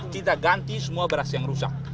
kita ganti semua beras yang rusak